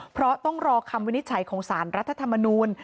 เพราะต้องรอคำวินิจฉัยของสารรัฐธรรมนูล